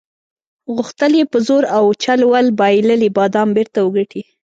غوښتل یې په زور او چل ول بایللي بادام بیرته وګټي.